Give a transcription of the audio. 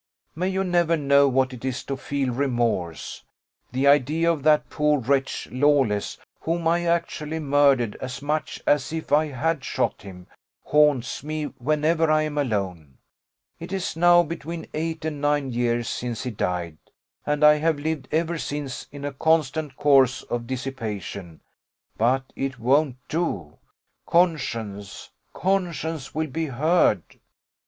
May you never know what it is to feel remorse! The idea of that poor wretch, Lawless, whom I actually murdered as much as if I had shot him, haunts me whenever I am alone. It is now between eight and nine years since he died, and I have lived ever since in a constant course of dissipation; but it won't do conscience, conscience will be heard!